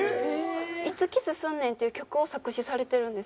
『いつキスすんねん』っていう曲を作詞されてるんです。